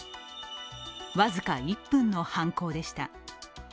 僅か１分の犯行でした。